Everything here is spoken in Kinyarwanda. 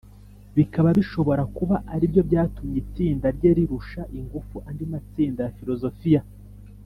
bikaba bishobora kuba ari byo byatumye itsinda rye rirusha ingufu andi matsinda ya filozofiya.